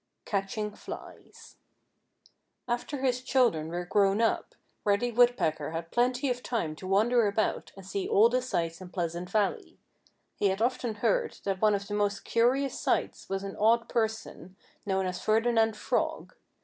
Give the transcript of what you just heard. *XX* *CATCHING FLIES* After his children were grown up Reddy Woodpecker had plenty of time to wander about and see all the sights in Pleasant Valley. He had often heard that one of the most curious sights was an odd person known as Ferdinand Frog.